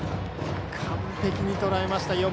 完璧にとらえました。